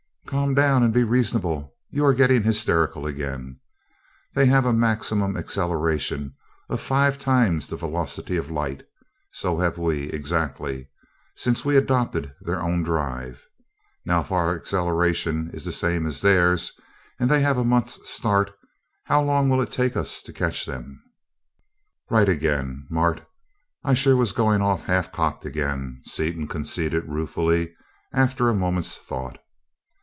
"Calm down and be reasonable you are getting hysterical again. They have a maximum acceleration of five times the velocity of light. So have we, exactly, since we adopted their own drive. Now if our acceleration is the same as theirs, and they have a month's start, how long will it take us to catch them?" "Right again. Mart I sure was going off half cocked again," Seaton conceded ruefully, after a moment's thought.